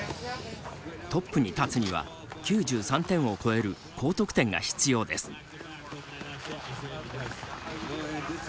トップに立つには９３点を超える高得点が必要です。